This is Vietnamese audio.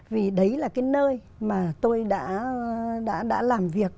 vì đấy là cái nơi mà tôi đã làm việc